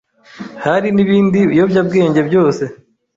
Hari n'ibindi biyobyabwenge byose?